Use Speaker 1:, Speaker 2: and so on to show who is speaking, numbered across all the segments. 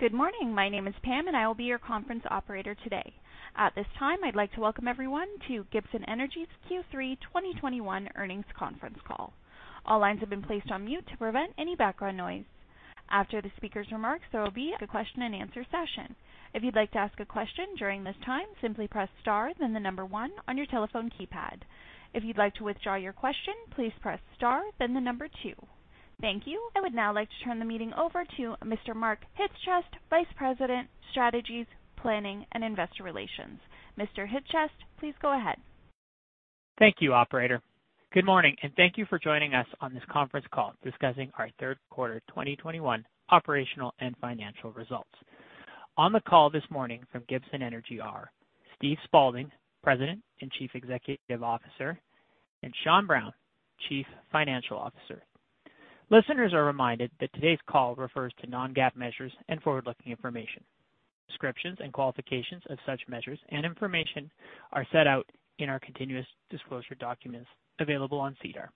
Speaker 1: Good morning. My name is Pam, and I will be your conference operator today. At this time, I'd like to welcome everyone to Gibson Energy's Q3 2021 earnings conference call. All lines have been placed on mute to prevent any background noise. After the speaker's remarks, there will be a question and answer session. If you'd like to ask a question during this time, simply press star then the number one on your telephone keypad. If you'd like to withdraw your question, please press star then the number two. Thank you. I would now like to turn the meeting over to Mr. Mark Chyc-Cies, Vice President, Strategies, Planning, and Investor Relations. Mr. Chyc-Cies, please go ahead.
Speaker 2: Thank you, operator. Good morning, and thank you for joining us on this conference call discussing ourQ3 2021 operational and financial results. On the call this morning from Gibson Energy are Steve Spaulding, President and Chief Executive Officer, and Sean Brown, Chief Financial Officer. Listeners are reminded that today's call refers to non-GAAP measures and forward-looking information. Descriptions and qualifications of such measures and information are set out in our continuous disclosure documents available on SEDAR.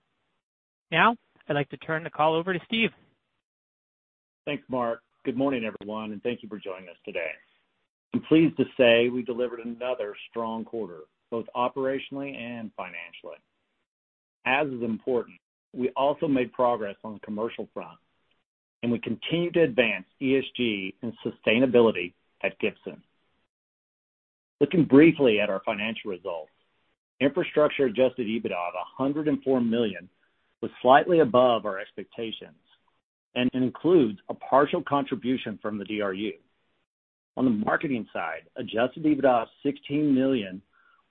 Speaker 2: Now, I'd like to turn the call over to Steve.
Speaker 3: Thanks, Mark. Good morning, everyone, and thank you for joining us today. I'm pleased to say we delivered another strong quarter, both operationally and financially. As is important, we also made progress on the commercial front, and we continue to advance ESG and sustainability at Gibson. Looking briefly at our financial results, infrastructure adjusted EBITDA of 104 million was slightly above our expectations and includes a partial contribution from the DRU. On the marketing side, adjusted EBITDA of 16 million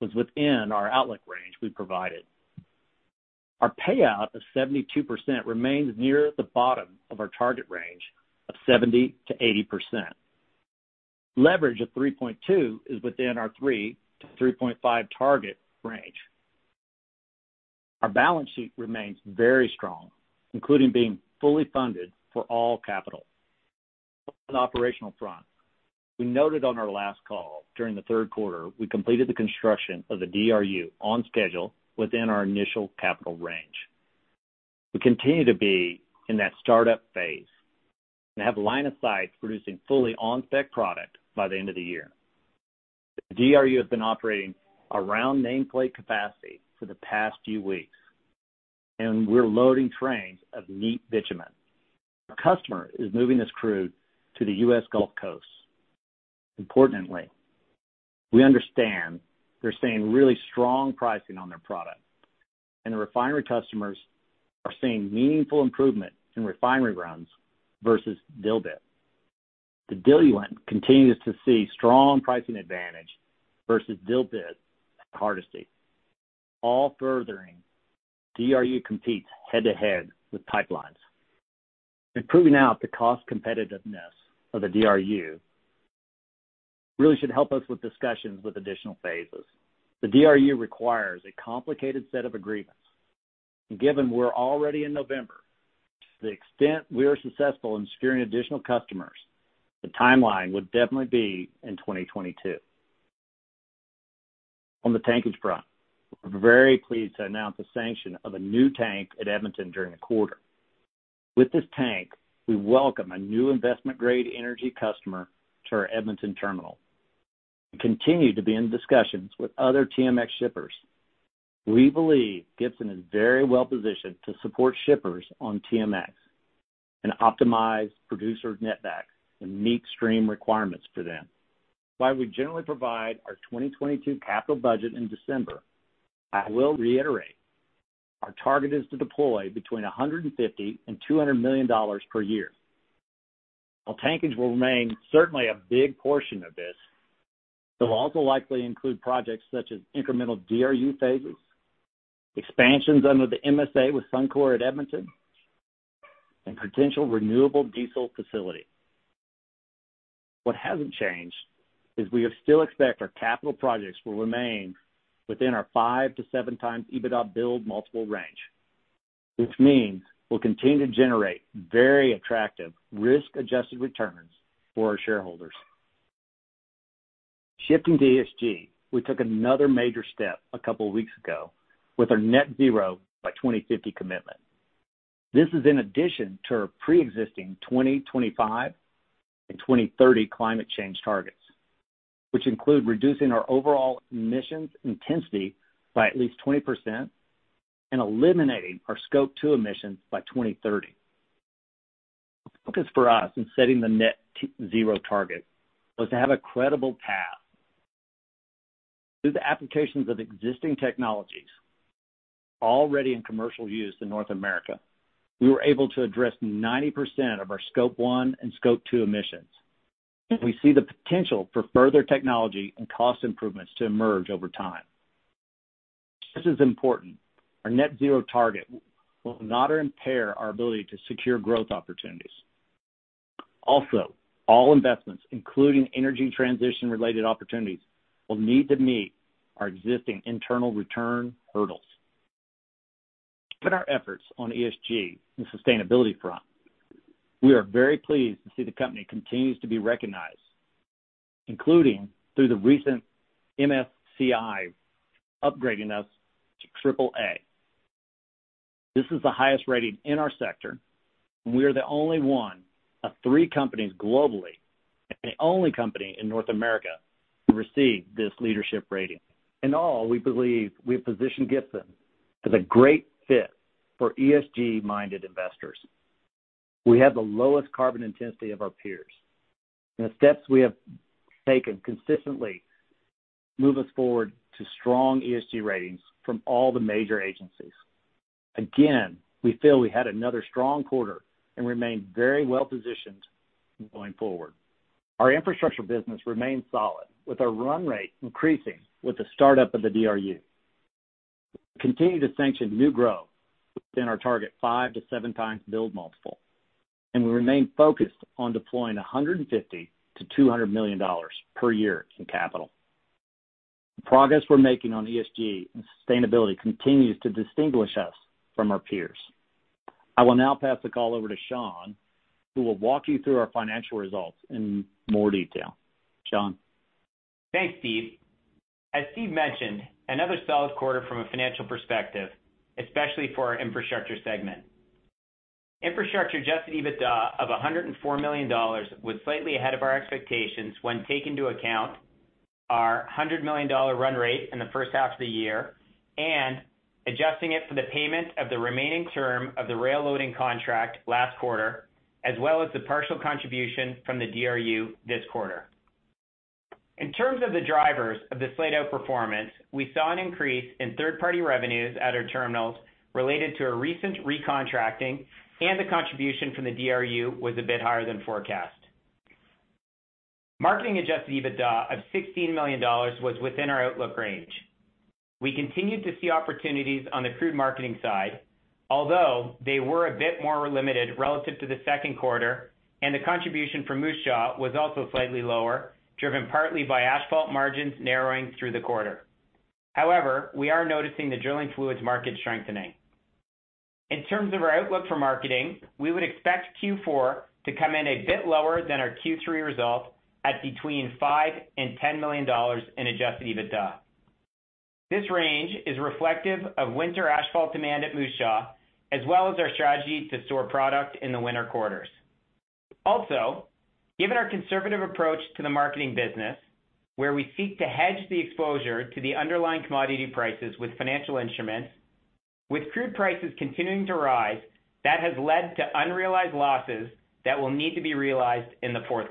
Speaker 3: was within our outlook range we provided. Our payout of 72% remains near the bottom of our target range of 70%-80%. Leverage of 3.2 is within our 3-3.5 target range. Our balance sheet remains very strong, including being fully funded for all capital. On an operational front, we noted on our last call during the Q3, we completed the construction of the DRU on schedule within our initial capital range. We continue to be in that startup phase and have line of sight producing fully on-spec product by the end of the year. The DRU has been operating around nameplate capacity for the past few weeks, and we're loading trains of neat bitumen. Our customer is moving this crude to the U.S. Gulf Coast. Importantly, we understand they're seeing really strong pricing on their product, and the refinery customers are seeing meaningful improvement in refinery runs versus Dilbit. The diluent continues to see strong pricing advantage versus Dilbit at Hardisty, all furthering DRU competes head-to-head with pipelines. Proving out the cost competitiveness of the DRU really should help us with discussions with additional phases. The DRU requires a complicated set of agreements. Given we're already in November, to the extent we are successful in securing additional customers, the timeline would definitely be in 2022. On the tankage front, we're very pleased to announce the sanction of a new tank at Edmonton during the quarter. With this tank, we welcome a new investment-grade energy customer to our Edmonton terminal. We continue to be in discussions with other TMX shippers. We believe Gibson is very well-positioned to support shippers on TMX and optimize producer netback and meet stream requirements for them. While we generally provide our 2022 capital budget in December, I will reiterate our target is to deploy between 150 million and 200 million dollars per year. While tankage will remain certainly a big portion of this, it will also likely include projects such as incremental DRU phases, expansions under the MSA with Suncor at Edmonton, and potential renewable diesel facility. What hasn't changed is we still expect our capital projects will remain within our 5x-7x EBITDA build multiple range, which means we'll continue to generate very attractive risk-adjusted returns for our shareholders. Shifting to ESG, we took another major step a couple of weeks ago with our net zero by 2050 commitment. This is in addition to our preexisting 2025 and 2030 climate change targets, which include reducing our overall emissions intensity by at least 20% and eliminating our Scope 2 emissions by 2030. The focus for us in setting the net zero target was to have a credible path. Through the applications of existing technologies already in commercial use in North America, we were able to address 90% of our Scope 1 and Scope 2 emissions. We see the potential for further technology and cost improvements to emerge over time. This is important. Our net zero target will not impair our ability to secure growth opportunities. Also, all investments, including energy transition-related opportunities, will need to meet our existing internal return hurdles. To put our efforts on ESG and sustainability front, we are very pleased to see the company continues to be recognized, including through the recent MSCI upgrading us to AAA. This is the highest rating in our sector, and we are the only one of three companies globally, and the only company in North America to receive this leadership rating. In all, we believe we have positioned Gibson as a great fit for ESG-minded investors. We have the lowest carbon intensity of our peers, and the steps we have taken consistently move us forward to strong ESG ratings from all the major agencies. Again, we feel we had another strong quarter and remain very well-positioned going forward. Our infrastructure business remains solid, with our run rate increasing with the startup of the DRU. We continue to sanction new growth within our target 5x-7x build multiple, and we remain focused on deploying 150 million-200 million dollars per year in capital. The progress we're making on ESG and sustainability continues to distinguish us from our peers. I will now pass the call over to Sean, who will walk you through our financial results in more detail. Sean?
Speaker 4: Thanks, Steve. As Steve mentioned, another solid quarter from a financial perspective, especially for our Infrastructure segment. Infrastructure adjusted EBITDA of 104 million dollars was slightly ahead of our expectations when taking into account our 100 million dollar run rate in the H1 of the year and adjusting it for the payment of the remaining term of the rail loading contract last quarter, as well as the partial contribution from the DRU this quarter. In terms of the drivers of the slight outperformance, we saw an increase in third-party revenues at our terminals related to a recent recontracting, and the contribution from the DRU was a bit higher than forecast. Marketing adjusted EBITDA of 16 million dollars was within our outlook range. We continued to see opportunities on the crude marketing side, although they were a bit more limited relative to the Q2, and the contribution from Moose Jaw was also slightly lower, driven partly by asphalt margins narrowing through the quarter. However, we are noticing the drilling fluids market strengthening. In terms of our outlook for marketing, we would expect Q4 to come in a bit lower than our Q3 result at between 5 million and 10 million dollars in Adjusted EBITDA. This range is reflective of winter asphalt demand at Moose Jaw, as well as our strategy to store product in the winter quarters. Also, given our conservative approach to the marketing business, where we seek to hedge the exposure to the underlying commodity prices with financial instruments, with crude prices continuing to rise, that has led to unrealized losses that will need to be realized in the Q4.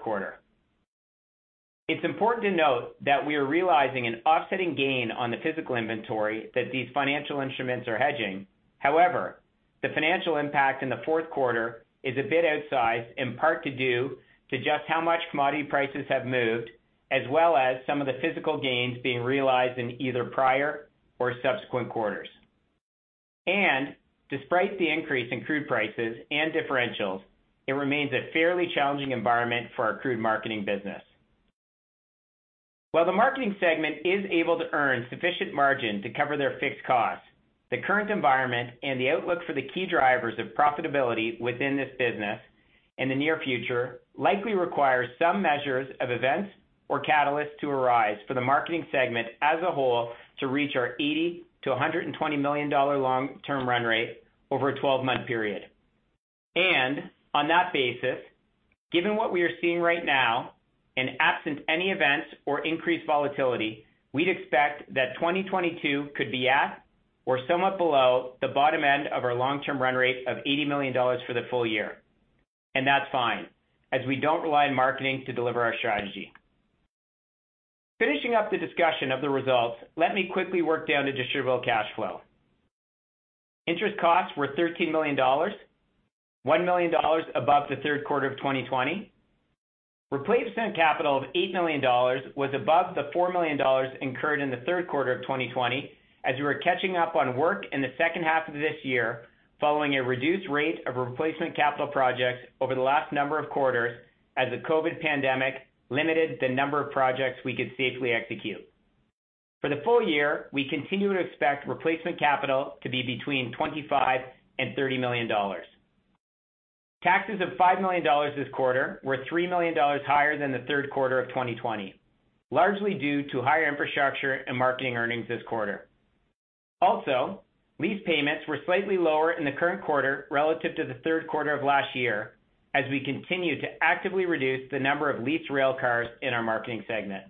Speaker 4: It's important to note that we are realizing an offsetting gain on the physical inventory that these financial instruments are hedging. However, the financial impact in the Q4 is a bit outsized, in part due to just how much commodity prices have moved, as well as some of the physical gains being realized in either prior or subsequent quarters. Despite the increase in crude prices and differentials, it remains a fairly challenging environment for our crude marketing business. While the marketing segment is able to earn sufficient margin to cover their fixed costs, the current environment and the outlook for the key drivers of profitability within this business in the near future likely requires some measures of events or catalysts to arise for the marketing segment as a whole to reach our 80 million-120 million dollar long-term run rate over a 12-month period. On that basis, given what we are seeing right now and absent any events or increased volatility, we'd expect that 2022 could be at or somewhat below the bottom end of our long-term run rate of 80 million dollars for the full year. That's fine, as we don't rely on marketing to deliver our strategy. Finishing up the discussion of the results, let me quickly work down the distributable cash flow. Interest costs were 13 million dollars, 1 million dollars above the Q3 of 2020. Replacement capital of 8 million dollars was above the 4 million dollars incurred in the Q3 of 2020, as we were catching up on work in the H2 of this year, following a reduced rate of replacement capital projects over the last number of quarters as the COVID pandemic limited the number of projects we could safely execute. For the full year, we continue to expect replacement capital to be between 25 million and 30 million dollars. Taxes of 5 million dollars this quarter were 3 million dollars higher than the Q3 of 2020, largely due to higher infrastructure and marketing earnings this quarter. Also, lease payments were slightly lower in the current quarter relative to the Q3 of last year, as we continue to actively reduce the number of leased rail cars in our marketing segment.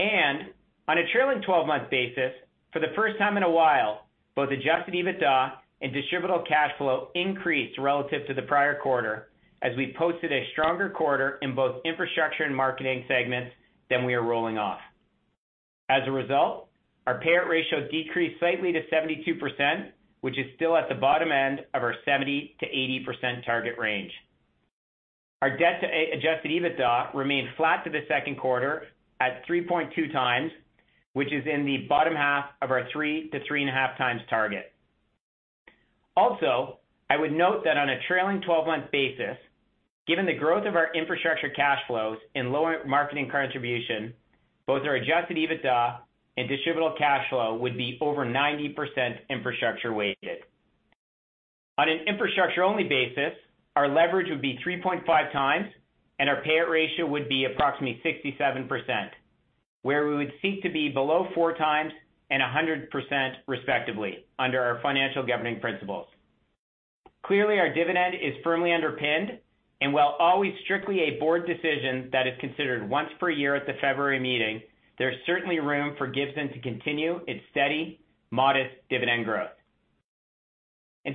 Speaker 4: On a trailing 12-month basis, for the first time in a while, both adjusted EBITDA and distributable cash flow increased relative to the prior quarter as we posted a stronger quarter in both infrastructure and marketing segments than we are rolling off. As a result, our payout ratio decreased slightly to 72%, which is still at the bottom end of our 70%-80% target range. Our debt to adjusted EBITDA remained flat to the Q2 at 3.2x, which is in the bottom half of our 3x-3.5x target. Also, I would note that on a trailing twelve-month basis, given the growth of our infrastructure cash flows and lower marketing contribution, both our adjusted EBITDA and distributable cash flow would be over 90% infrastructure-weighted. On an infrastructure only basis, our leverage would be 3.5x and our payout ratio would be approximately 67%, where we would seek to be below 4x and 100% respectively under our financial governing principles. Clearly, our dividend is firmly underpinned and while always strictly a board decision that is considered once per year at the February meeting, there's certainly room for Gibson to continue its steady, modest dividend growth.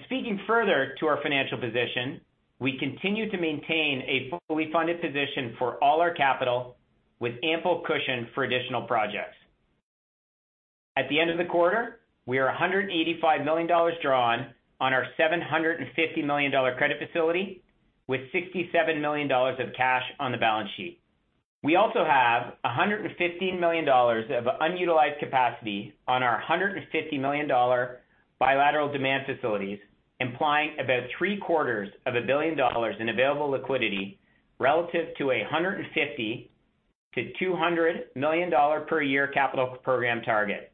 Speaker 4: Speaking further to our financial position, we continue to maintain a fully funded position for all our capital with ample cushion for additional projects. At the end of the quarter, we are 185 million dollars drawn on our 750 million dollar credit facility with 67 million dollars of cash on the balance sheet. We also have 115 million dollars of unutilized capacity on our 150 million dollar bilateral demand facilities, implying about 750 million dollars in available liquidity relative to a 150 million-200 million dollar per year capital program target.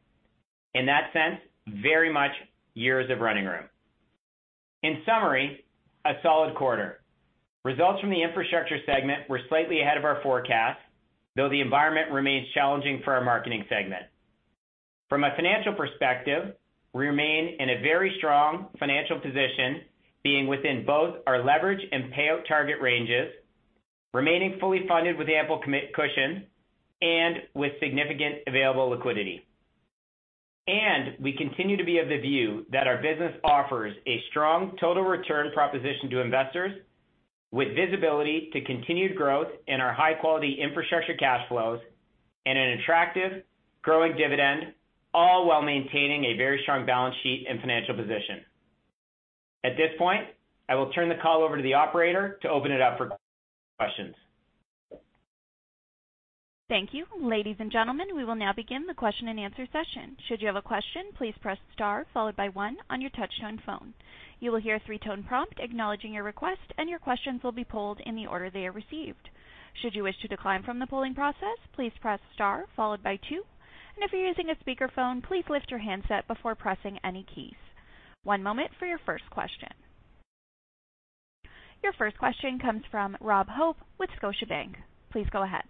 Speaker 4: In that sense, very much years of running room. In summary, a solid quarter. Results from the infrastructure segment were slightly ahead of our forecast, though the environment remains challenging for our marketing segment. From a financial perspective, we remain in a very strong financial position, being within both our leverage and payout target ranges, remaining fully funded with ample commit cushion and with significant available liquidity. We continue to be of the view that our business offers a strong total return proposition to investors with visibility to continued growth in our high-quality infrastructure cash flows and an attractive growing dividend, all while maintaining a very strong balance sheet and financial position. At this point, I will turn the call over to the operator to open it up for questions.
Speaker 1: Thank you. Ladies and gentlemen, we will now begin the question-and-answer session. Should you have a question, please press star followed by one on your touchtone phone. You will hear a three-tone prompt acknowledging your request, and your questions will be polled in the order they are received. Should you wish to decline from the polling process, please press star followed by two. If you're using a speakerphone, please lift your handset before pressing any keys. One moment for your first question. Your first question comes from Rob Hope with Scotiabank. Please go ahead.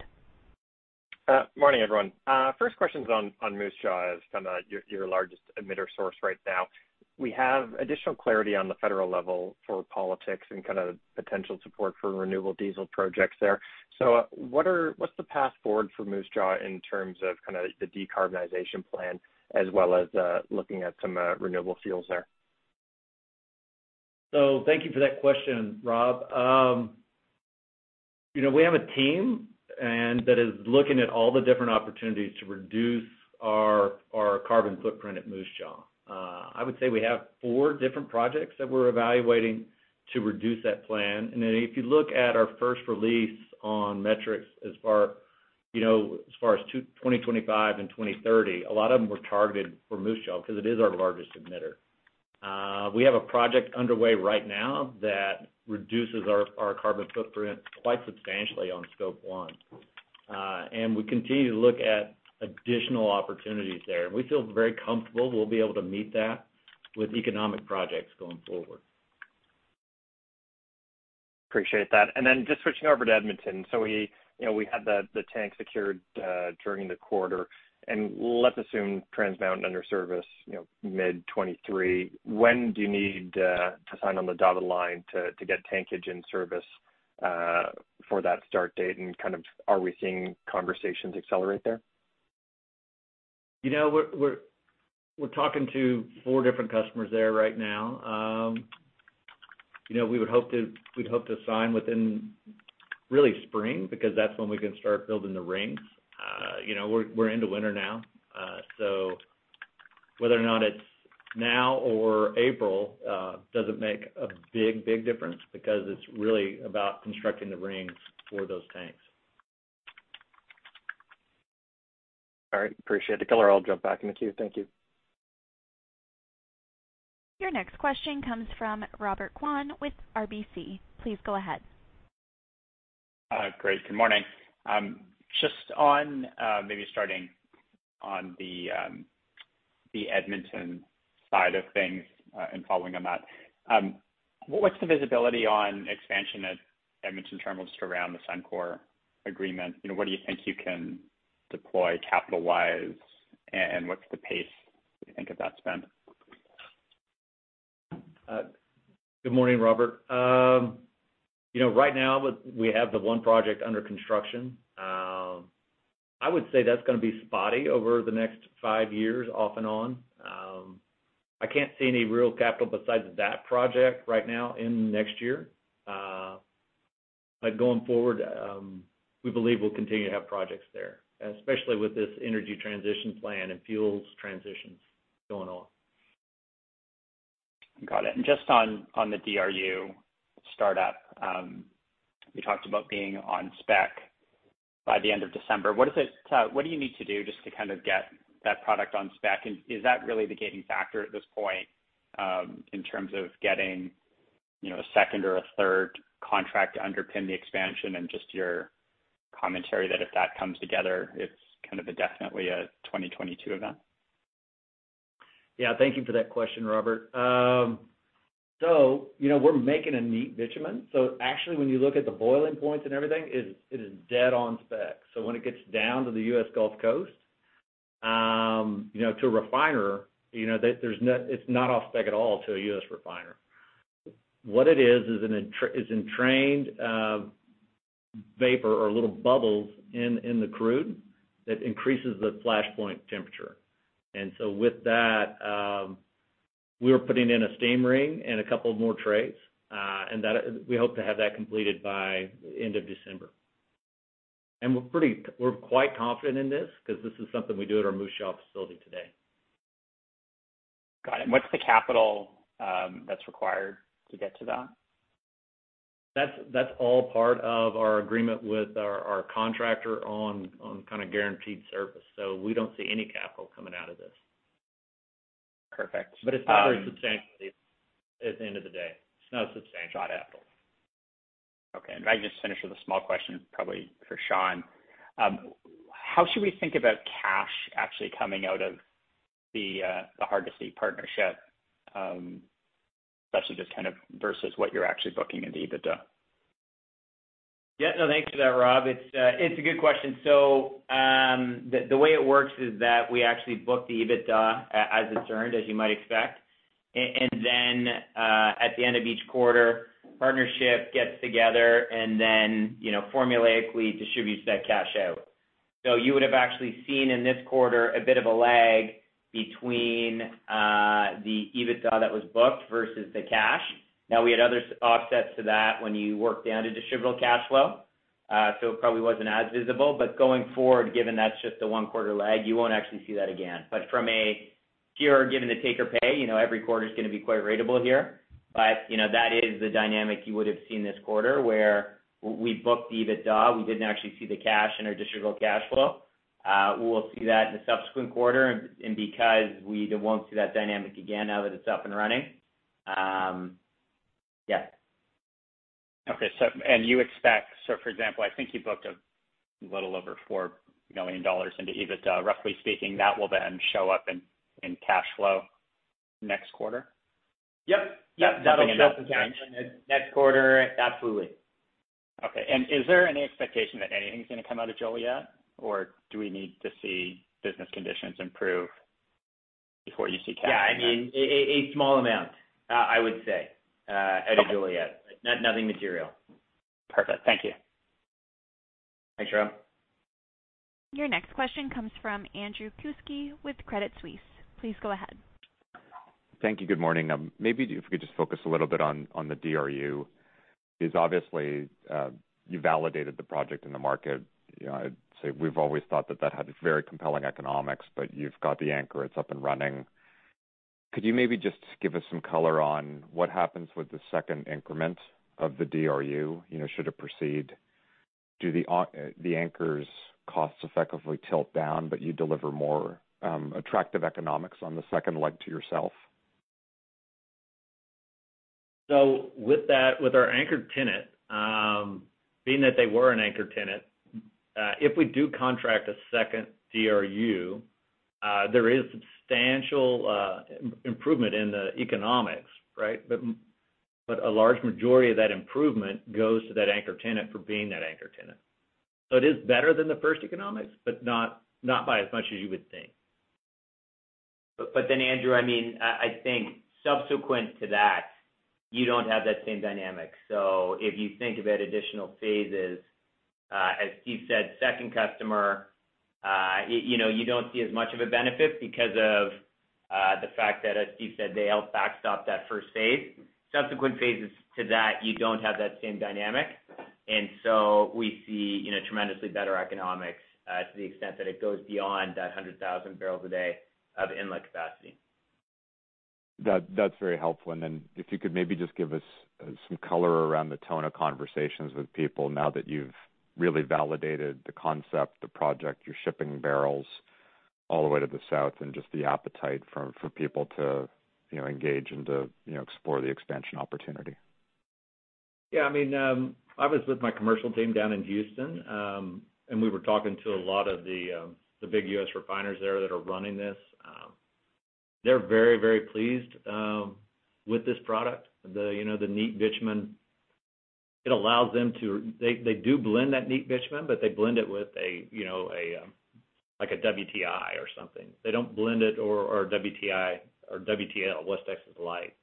Speaker 5: Morning, everyone. First question's on Moose Jaw as kinda your largest emitter source right now. We have additional clarity on the federal level for politics and kind of potential support for renewable diesel projects there. What’s the path forward for Moose Jaw in terms of kinda the decarbonization plan as well as looking at some renewable fuels there?
Speaker 3: Thank you for that question, Rob. You know, we have a team that is looking at all the different opportunities to reduce our carbon footprint at Moose Jaw. I would say we have four different projects that we're evaluating to reduce that plan. Then if you look at our first release on metrics as far as 2025 and 2030, a lot of them were targeted for Moose Jaw because it is our largest emitter. We have a project underway right now that reduces our carbon footprint quite substantially on Scope 1. We continue to look at additional opportunities there. We feel very comfortable we'll be able to meet that with economic projects going forward.
Speaker 5: Appreciate that. Then just switching over to Edmonton. We, you know, had the tank secured during the quarter, and let's assume Trans Mountain in service, you know, mid 2023. When do you need to sign on the dotted line to get tankage in service for that start date? Kind of, are we seeing conversations accelerate there?
Speaker 3: You know, we're talking to four different customers there right now. You know, we'd hope to sign within early spring because that's when we can start building the rings. You know, we're into winter now. Whether or not it's now or April, doesn't make a big difference because it's really about constructing the rings for those tanks.
Speaker 5: All right. Appreciate the color. I'll jump back in the queue. Thank you.
Speaker 1: Your next question comes from Robert Kwan with RBC. Please go ahead.
Speaker 6: Great. Good morning. Just on, maybe starting on the Edmonton side of things, and following on that, what's the visibility on expansion at Edmonton terminal just around the Suncor agreement? You know, what do you think you can deploy capital-wise, and what's the pace you think of that spend?
Speaker 3: Good morning, Robert. You know, right now we have the one project under construction. I would say that's gonna be spotty over the next five years off and on. I can't see any real capital besides that project right now in next year. Going forward, we believe we'll continue to have projects there, especially with this energy transition plan and fuels transitions going on.
Speaker 6: Got it. Just on the DRU startup, you talked about being on spec by the end of December. What do you need to do just to kind of get that product on spec? Is that really the gating factor at this point, in terms of getting, you know, a second or a third contract to underpin the expansion and just your commentary that if that comes together, it's kind of definitely a 2022 event.
Speaker 3: Yeah. Thank you for that question, Robert. You know, we're making a neat bitumen. Actually, when you look at the boiling points and everything, it is dead on spec. When it gets down to the U.S. Gulf Coast, you know, to a refiner, you know, it's not off spec at all to a U.S. refiner. What it is entrained vapor or little bubbles in the crude that increases the flashpoint temperature. With that, we're putting in a steam ring and a couple of more trays, and that we hope to have that completed by end of December. We're quite confident in this because this is something we do at our Moose Jaw facility today.
Speaker 6: Got it. What's the capital that's required to get to that?
Speaker 3: That's all part of our agreement with our contractor on kind of guaranteed service. We don't see any capital coming out of this.
Speaker 6: Perfect.
Speaker 3: It's not very substantial at the end of the day. It's not substantial.
Speaker 6: Got it. Okay. If I can just finish with a small question probably for Sean. How should we think about cash actually coming out of the Hardisty partnership, especially just kind of versus what you're actually booking into EBITDA?
Speaker 4: Yeah. No, thanks for that, Rob. It's a good question. The way it works is that we actually book the EBITDA as it's earned, as you might expect. Then, at the end of each quarter, partnership gets together and then formulaically distributes that cash out. You would have actually seen in this quarter a bit of a lag between the EBITDA that was booked versus the cash. Now, we had other offsets to that when you work down to distributable cash flow. It probably wasn't as visible. Going forward, given that's just a one quarter lag, you won't actually see that again. From a purely, given the take or pay, every quarter is gonna be quite ratable here. You know, that is the dynamic you would have seen this quarter, where we booked the EBITDA, we didn't actually see the cash in our distributable cash flow. We'll see that in the subsequent quarter and because we won't see that dynamic again now that it's up and running.
Speaker 6: Okay. For example, I think you booked a little over 4 million dollars into EBITDA, roughly speaking, that will then show up in cash flow next quarter?
Speaker 4: Yep. Yep.
Speaker 6: Jumping ahead in time.
Speaker 4: That'll show up in cash in the next quarter. Absolutely.
Speaker 6: Okay. Is there any expectation that anything's gonna come out of Joliet? Or do we need to see business conditions improve before you see cash coming out?
Speaker 4: Yeah. I mean, a small amount, I would say, out of Joliet.
Speaker 6: Okay.
Speaker 4: Nothing material.
Speaker 6: Perfect. Thank you.
Speaker 4: Thanks, Rob.
Speaker 1: Your next question comes from Andrew Kuske with Credit Suisse. Please go ahead.
Speaker 7: Thank you. Good morning. Maybe if we could just focus a little bit on the DRU. It's obviously you've validated the project in the market. You know, I'd say we've always thought that that had very compelling economics, but you've got the anchor, it's up and running. Could you maybe just give us some color on what happens with the second increment of the DRU? You know, should it proceed, do the anchor's costs effectively tilt down, but you deliver more attractive economics on the second leg to yourself?
Speaker 3: With our anchor tenant being that they were an anchor tenant, if we do contract a second DRU, there is substantial improvement in the economics, right? A large majority of that improvement goes to that anchor tenant for being that anchor tenant. It is better than the first economics, but not by as much as you would think. Andrew, I mean, I think subsequent to that, you don't have that same dynamic. If you think about additional phases, as Steve said, second customer, you know, you don't see as much of a benefit because of the fact that, as Steve said, they help backstop that first phase. Subsequent phases to that, you don't have that same dynamic. We see, you know, tremendously better economics, to the extent that it goes beyond that 100,000 barrels a day of inlet capacity.
Speaker 7: That, that's very helpful. If you could maybe just give us some color around the tone of conversations with people now that you've really validated the concept, the project, you're shipping barrels all the way to the south, and just the appetite for people to, you know, engage and to, you know, explore the expansion opportunity.
Speaker 3: Yeah, I mean, I was with my commercial team down in Houston, and we were talking to a lot of the big U.S. refiners there that are running this. They're very, very pleased with this product. You know, the neat bitumen, it allows them to. They do blend that neat bitumen, but they blend it with a, you know, a like a WTI or something. They don't blend it or WTI or WTL, West Texas Light.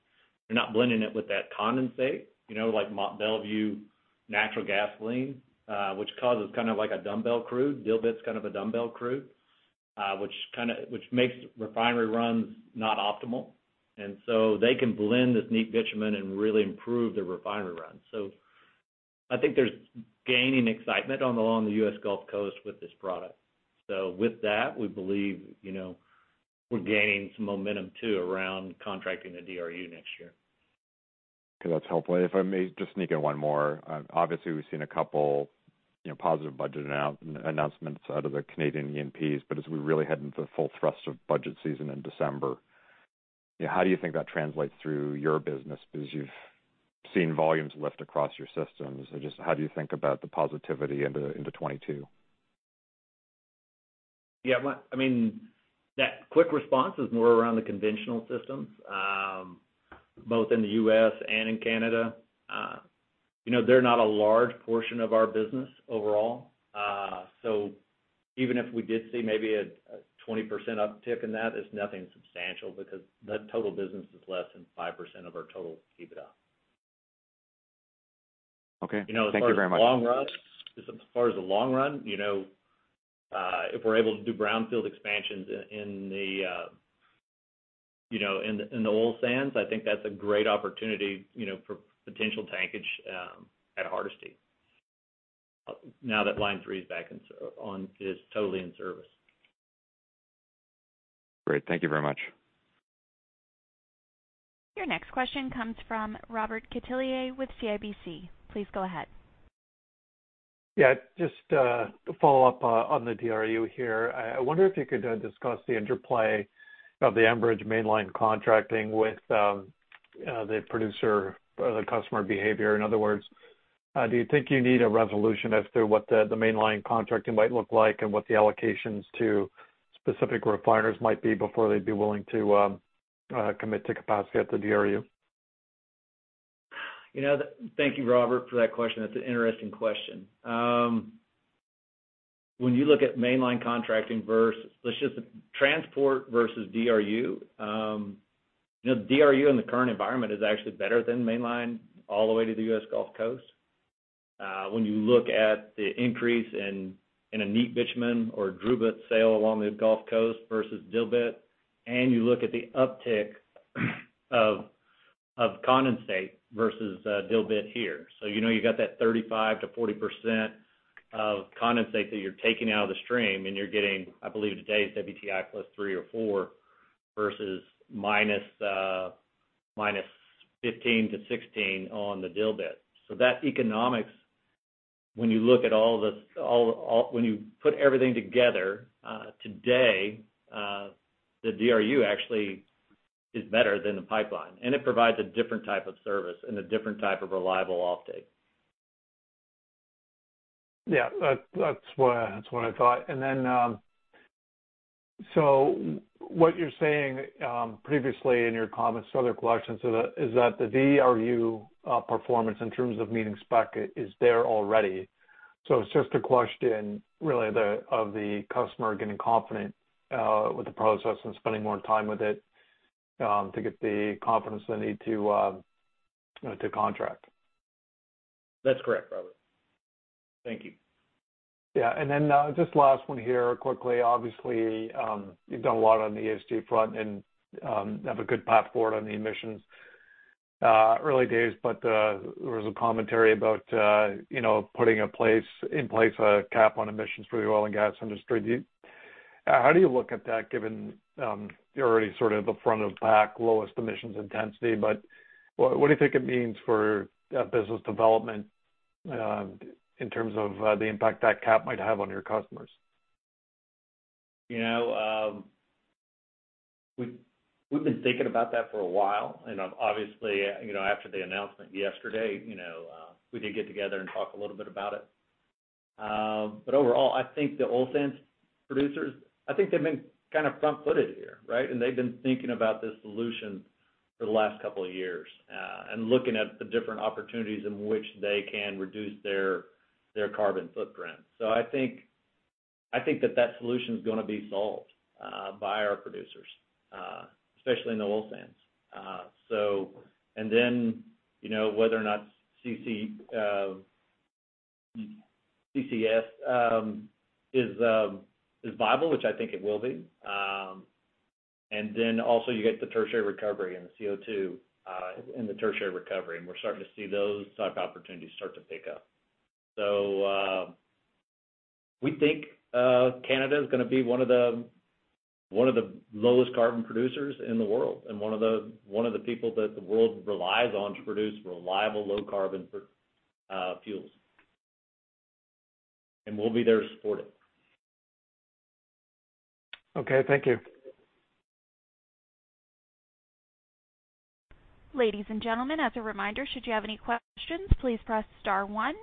Speaker 3: They're not blending it with that condensate, you know, like Mont Belvieu natural gasoline, which causes kind of like a dumbbell crude. Dilbit's kind of a dumbbell crude, which makes refinery runs not optimal. They can blend this neat bitumen and really improve the refinery runs. I think there's gaining excitement along the U.S. Gulf Coast with this product. With that, we believe, you know, we're gaining some momentum too around contracting the DRU next year.
Speaker 7: Okay. That's helpful. If I may just sneak in one more. Obviously, we've seen a couple, you know, positive budget announcements out of the Canadian E&Ps, but as we really head into the full thrust of budget season in December Yeah. How do you think that translates through your business because you've seen volumes lift across your systems? Just how do you think about the positivity into 2022?
Speaker 3: Yeah. I mean, that quick response is more around the conventional systems, both in the U.S. and in Canada. You know, they're not a large portion of our business overall. Even if we did see maybe a 20% uptick in that, it's nothing substantial because that total business is less than 5% of our total EBITDA.
Speaker 7: Okay. Thank you very much.
Speaker 3: You know, as far as the long run, you know, if we're able to do brownfield expansions in the oil sands, I think that's a great opportunity, you know, for potential tankage at Hardisty now that Line 3 is totally in service.
Speaker 7: Great. Thank you very much.
Speaker 1: Your next question comes from Robert Catellier with CIBC. Please go ahead.
Speaker 8: Yeah, just to follow up on the DRU here. I wonder if you could discuss the interplay of the Enbridge Mainline contracting with the producer or the customer behavior. In other words, do you think you need a resolution as to what the Mainline contracting might look like and what the allocations to specific refiners might be before they'd be willing to commit to capacity at the DRU?
Speaker 3: You know, thank you, Robert, for that question. That's an interesting question. When you look at mainline contracting versus transport versus DRU, you know, DRU in the current environment is actually better than mainline all the way to the U.S. Gulf Coast. When you look at the increase in a neat bitumen or a DRUbit sale along the Gulf Coast versus Dilbit, and you look at the uptick of condensate versus Dilbit here. You know, you got that 35%-40% of condensate that you're taking out of the stream, and you're getting, I believe today, WTI +$3 or +$4 versus -$15 to -$16 on the Dilbit. that economics, when you look at all this, when you put everything together, today, the DRU actually is better than the pipeline, and it provides a different type of service and a different type of reliable offtake.
Speaker 8: Yeah. That's what I thought. What you're saying previously in your comments to other questions is that the DRU performance in terms of meeting spec is there already. It's just a question really of the customer getting confident with the process and spending more time with it to get the confidence they need to you know to contract.
Speaker 3: That's correct, Robert.
Speaker 8: Thank you. Yeah. Then, just last one here quickly. Obviously, you've done a lot on the ESG front and have a good path forward on the emissions, early days. There was a commentary about, you know, putting in place a cap on emissions for the oil and gas industry. How do you look at that given you're already sort of the front of pack, lowest emissions intensity, but what do you think it means for business development in terms of the impact that cap might have on your customers?
Speaker 3: You know, we've been thinking about that for a while. Obviously, you know, after the announcement yesterday, you know, we did get together and talk a little bit about it. Overall, I think the oil sands producers have been kind of front-footed here, right? They've been thinking about this solution for the last couple of years, and looking at the different opportunities in which they can reduce their carbon footprint. I think that solution is gonna be solved by our producers, especially in the oil sands. Then, you know, whether or not CCS is viable, which I think it will be. You get the tertiary recovery and the CO2 in the tertiary recovery, and we're starting to see those type of opportunities start to pick up. We think Canada is gonna be one of the lowest carbon producers in the world and one of the people that the world relies on to produce reliable, low carbon fuels. We'll be there to support it.
Speaker 8: Okay. Thank you.
Speaker 1: Ladies and gentlemen, as a reminder, should you have any questions, please press star one.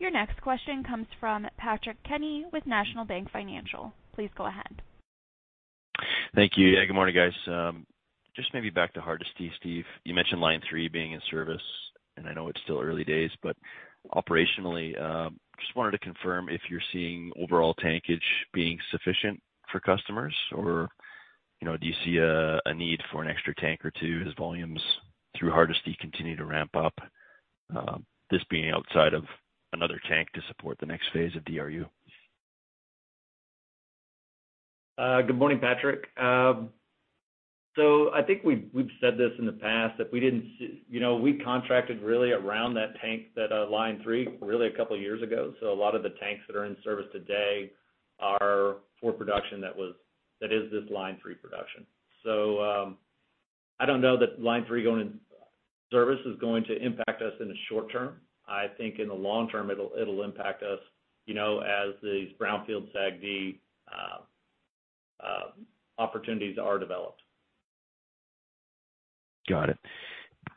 Speaker 1: Your next question comes from Patrick Kenny with National Bank Financial. Please go ahead.
Speaker 9: Thank you. Good morning, guys. Just maybe back to Hardisty, Steve. You mentioned Line 3 being in service, and I know it's still early days, but operationally, just wanted to confirm if you're seeing overall tankage being sufficient for customers, or, you know, do you see a need for an extra tank or two as volumes through Hardisty continue to ramp up, this being outside of another tank to support the next phase of DRU?
Speaker 3: Good morning, Patrick. I think we've said this in the past, if we didn't see you know, we contracted really around that tank, Line 3, really a couple of years ago. A lot of the tanks that are in service today are for production that is this Line 3 production. I don't know that Line 3 going to Service is going to impact us in the short term. I think in the long term it'll impact us, you know, as these brownfield SAGD opportunities are developed.
Speaker 9: Got it.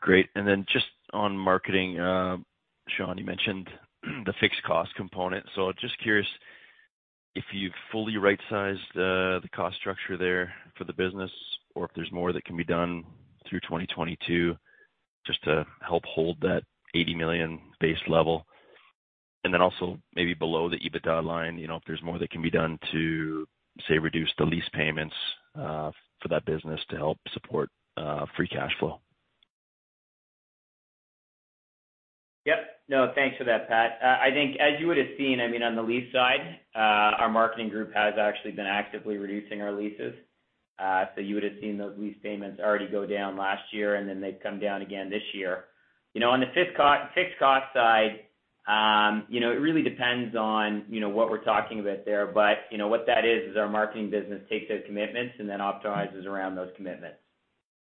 Speaker 9: Great. Then just on marketing, Sean, you mentioned the fixed cost component. Just curious if you've fully right-sized the cost structure there for the business or if there's more that can be done through 2022 just to help hold that 80 million base level. Also maybe below the EBITDA line, you know, if there's more that can be done to, say, reduce the lease payments for that business to help support free cash flow.
Speaker 4: Yep. No, thanks for that, Pat. I think as you would have seen, I mean, on the lease side, our marketing group has actually been actively reducing our leases. So you would have seen those lease payments already go down last year, and then they've come down again this year. You know, on the fixed co-fixed cost side, you know, it really depends on, you know, what we're talking about there. But, you know, what that is our marketing business takes those commitments and then optimizes around those commitments.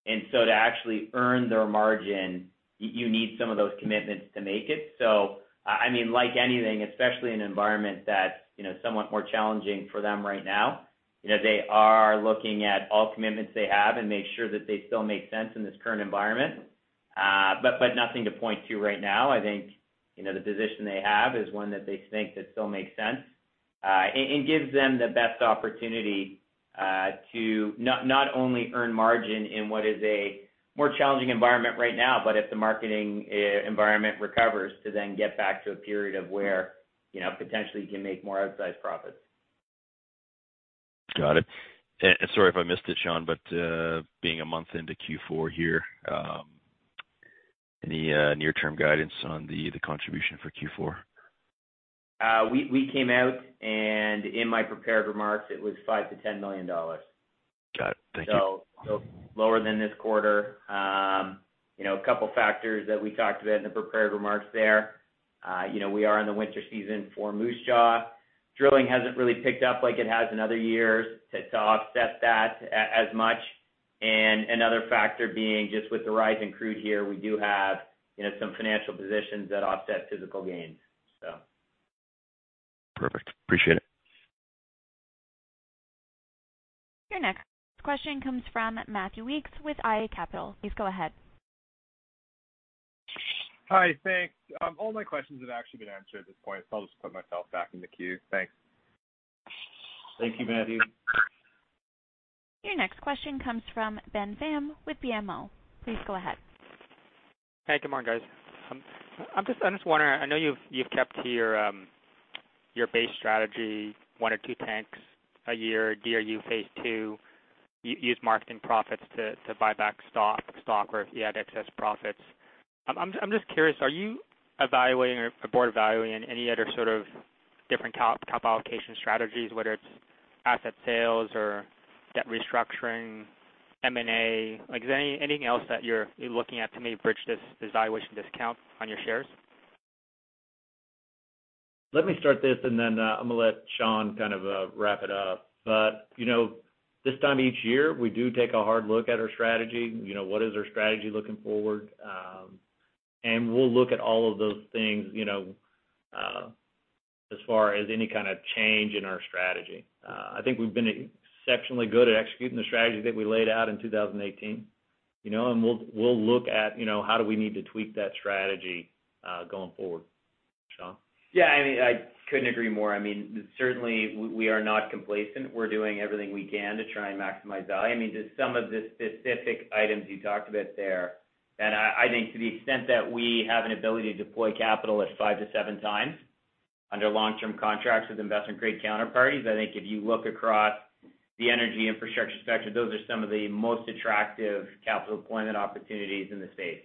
Speaker 4: To actually earn their margin, you need some of those commitments to make it. I mean, like anything, especially in an environment that's, you know, somewhat more challenging for them right now, you know, they are looking at all commitments they have and make sure that they still make sense in this current environment. Nothing to point to right now. I think, you know, the position they have is one that they think that still makes sense, and gives them the best opportunity to not only earn margin in what is a more challenging environment right now, but if the marketing environment recovers to then get back to a period of where, you know, potentially can make more outsized profits.
Speaker 9: Got it. Sorry if I missed it, Sean, but being a month into Q4 here, any near-term guidance on the contribution for Q4?
Speaker 4: We came out and in my prepared remarks, it was 5 million-10 million dollars.
Speaker 9: Got it. Thank you.
Speaker 4: Lower than this quarter. You know, a couple factors that we talked about in the prepared remarks there. You know, we are in the winter season for Moose Jaw. Drilling hasn't really picked up like it has in other years to offset that as much. Another factor being just with the rise in crude here, we do have you know some financial positions that offset physical gains.
Speaker 9: Perfect. Appreciate it.
Speaker 1: Your next question comes from Matthew Weekes with iA Capital Markets. Please go ahead.
Speaker 10: Hi. Thanks. All my questions have actually been answered at this point, so I'll just put myself back in the queue. Thanks.
Speaker 4: Thank you, Matthew.
Speaker 1: Your next question comes from Ben Pham with BMO. Please go ahead.
Speaker 11: Hey, good morning, guys. I'm just wondering, I know you've kept to your base strategy, one or two tanks a year, DRU phase two, use marketing profits to buy back stock or if you had excess profits. I'm just curious, are you evaluating or the board evaluating any other sort of different capital allocation strategies, whether it's asset sales or debt restructuring, M&A? Like, is there anything else that you're looking at to maybe bridge this valuation discount on your shares? Let me start this, and then I'm gonna let Sean kind of wrap it up. You know, this time each year, we do take a hard look at our strategy. You know, what is our strategy looking forward?
Speaker 3: We'll look at all of those things, you know, as far as any kind of change in our strategy. I think we've been exceptionally good at executing the strategy that we laid out in 2018, you know, and we'll look at, you know, how do we need to tweak that strategy going forward. Sean?
Speaker 4: Yeah, I mean, I couldn't agree more. I mean, certainly we are not complacent. We're doing everything we can to try and maximize value. I mean, just some of the specific items you talked about there, and I think to the extent that we have an ability to deploy capital at 5x-7x under long-term contracts with investment-grade counterparties, I think if you look across the energy infrastructure sector, those are some of the most attractive capital deployment opportunities in the space.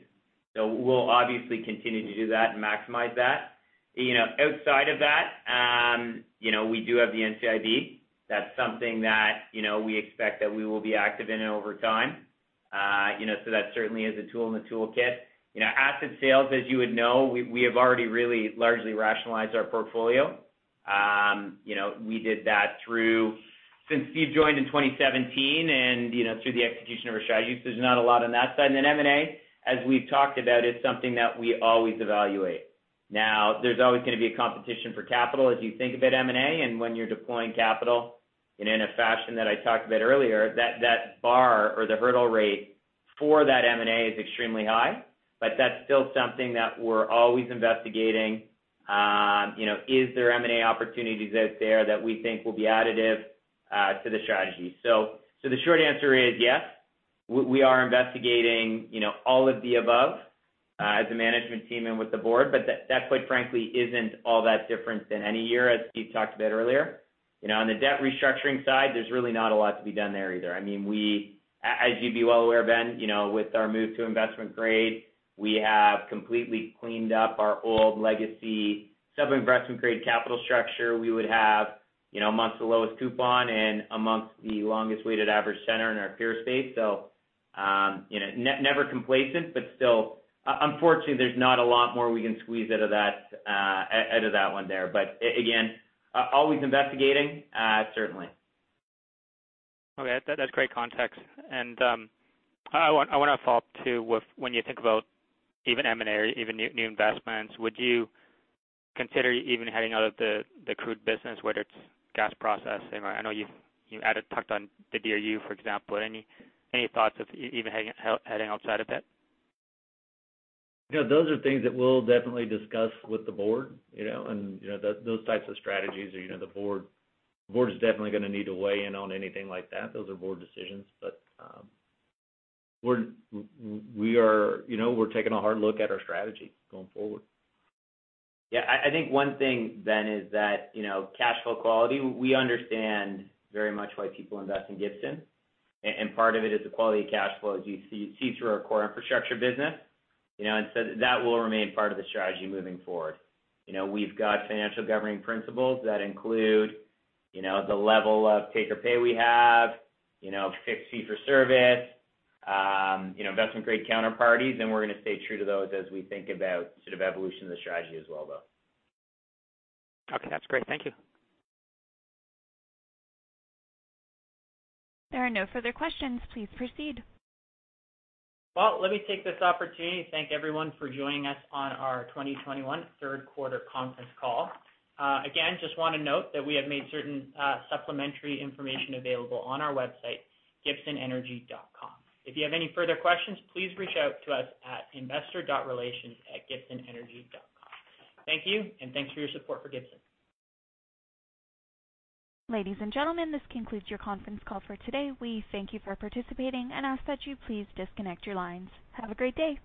Speaker 4: We'll obviously continue to do that and maximize that. You know, outside of that, we do have the NCIB. That's something that, you know, we expect that we will be active in over time. That certainly is a tool in the toolkit. You know, asset sales, as you would know, we have already really largely rationalized our portfolio. You know, we did that through since Steve joined in 2017 and, you know, through the execution of our strategies, there's not a lot on that side. Then M&A, as we've talked about, is something that we always evaluate. Now, there's always gonna be a competition for capital as you think about M&A. And when you're deploying capital in a fashion that I talked about earlier, that bar or the hurdle rate for that M&A is extremely high. But that's still something that we're always investigating, you know, is there M&A opportunities out there that we think will be additive to the strategy? The short answer is yes, we are investigating, you know, all of the above, as a management team and with the board, but that quite frankly isn't all that different than any year, as Steve talked about earlier. You know, on the debt restructuring side, there's really not a lot to be done there either. I mean, as you'd be well aware, Ben, you know, with our move to investment grade, we have completely cleaned up our old legacy sub-investment grade capital structure. We would have, you know, amongst the lowest coupon and amongst the longest weighted average tenor in our peer space. You know, never complacent, but still, unfortunately, there's not a lot more we can squeeze out of that, out of that one there. Again, always investigating, certainly.
Speaker 11: Okay. That's great context. I wanna follow up, too, with when you think about even M&A or even new investments, would you consider even heading out of the crude business, whether it's gas processing or I know you've touched on the DRU, for example. Any thoughts of even heading outside of it? You know, those are things that we'll definitely discuss with the board, you know. You know, those types of strategies are, you know, the board is definitely gonna need to weigh in on anything like that. Those are board decisions. We are taking a hard look at our strategy going forward.
Speaker 4: Yeah. I think one thing then is that, you know, cash flow quality, we understand very much why people invest in Gibson, and part of it is the quality of cash flow as you see through our core infrastructure business. You know, that will remain part of the strategy moving forward. You know, we've got financial governing principles that include, you know, the level of take or pay we have, you know, fixed fee for service, you know, investment grade counterparties, and we're gonna stay true to those as we think about sort of evolution of the strategy as well, though.
Speaker 11: Okay. That's great. Thank you.
Speaker 1: There are no further questions. Please proceed.
Speaker 2: Well, let me take this opportunity to thank everyone for joining us on our 2021 third quarter conference call. Again, just wanna note that we have made certain supplementary information available on our website, gibsonenergy.com. If you have any further questions, please reach out to us at investor.relations@gibsonenergy.com. Thank you, and thanks for your support for Gibson.
Speaker 1: Ladies and gentlemen, this concludes your conference call for today. We thank you for participating and ask that you please disconnect your lines. Have a great day.